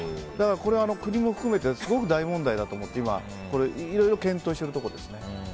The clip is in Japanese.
これは国も含めてすごく大問題だと思っていろいろ検討しているところです。